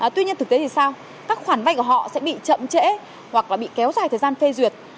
tuy nhiên thực tế thì sao các khoản vay của họ sẽ bị chậm trễ hoặc là bị kéo dài thời gian phê duyệt